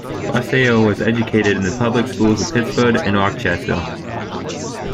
Rouseau was educated in the public schools of Pittsford and Rochester.